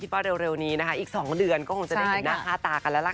ว่าเร็วนี้นะคะอีก๒เดือนก็คงจะได้เห็นหน้าค่าตากันแล้วล่ะค่ะ